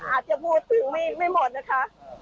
อาจจะพูดถึงไม่หมดนะคะ